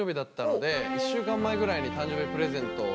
１週間前ぐらいに誕生日プレゼントを。